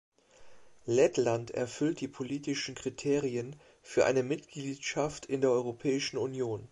Lettland erfüllt die politischen Kriterien für eine Mitgliedschaft in der Europäischen Union.